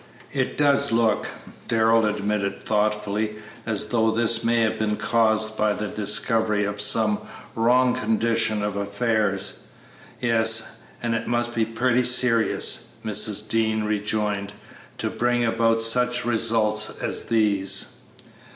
"It does look," Darrell admitted, thoughtfully, "as though this may have been caused by the discovery of some wrong condition of affairs." "Yes, and it must be pretty serious," Mrs. Dean rejoined, "to bring about such results as these."